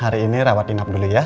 hari ini rawat inap dulu ya